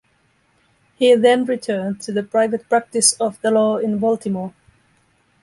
He then returned to the private practice of the law in Baltimore.